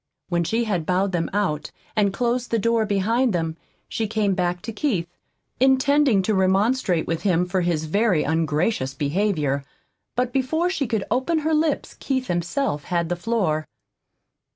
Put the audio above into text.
When she had bowed them out and closed the door behind them, she came back to Keith, intending to remonstrate with him for his very ungracious behavior. But before she could open her lips Keith himself had the floor.